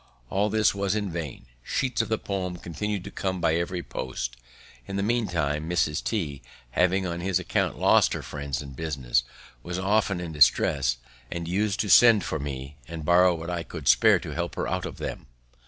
All was in vain; sheets of the poem continued to come by every post. In the meantime, Mrs. T , having on his account lost her friends and business, was often in distresses, and us'd to send for me and borrow what I could spare to help her out of them.